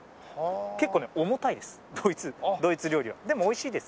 結構ね重たいです。